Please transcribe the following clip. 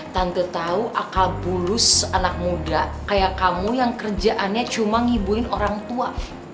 tante tahu akal bulus anak muda kayak kamu yang kerjaannya cuma ngibuin orang tua